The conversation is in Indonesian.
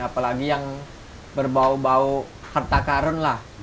apalagi yang berbau bau harta karun lah